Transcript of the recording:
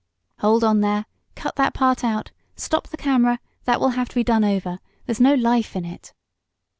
"Hold on, there! Cut that part out. Stop the camera; that will have to be done over. There's no life in it!"